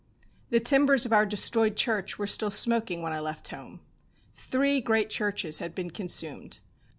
The timbers of our destroyed church were still smoking when I left home. Three great churches had been consumed.